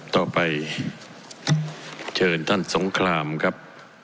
ต่อไปเชิญท่านสงครามครับ